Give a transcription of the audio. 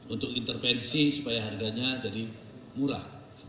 untuk intervensi supaya harganya jadi murah